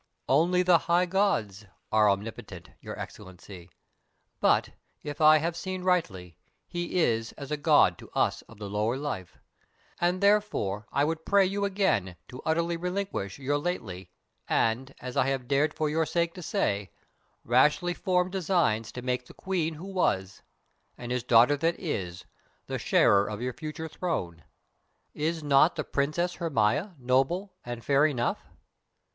"Only the High Gods are omnipotent, Your Excellency; but, if I have seen rightly, he is as a god to us of the lower life, and therefore I would pray you again to utterly relinquish your lately and, as I have dared for your sake to say, rashly formed designs to make the Queen who was, and his daughter that is, the sharer of your future throne. Is not the Princess Hermia noble and fair enough?"